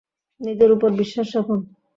নিজের উপর বিশ্বাস রাখুন।